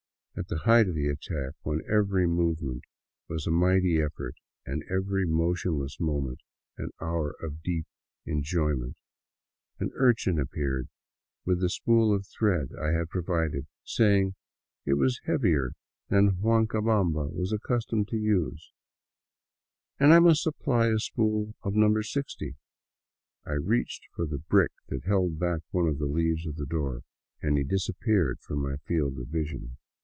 At the height of the attack, when every movement was a mighty effort and every motionless moment an hour of deep enjoyment, an urchin appeared with the spool of thread I had provided, saying it was heavier than Huancabamba was accustomed to use and that I must supply a spool of No. 60. I reached for the brick that held back one of the leaves of the door, and he disappeared from my field of vision.